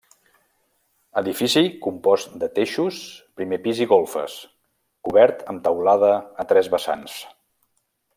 Edifici compost de teixos, primer pis i golfes, cobert amb teulada a tres vessants.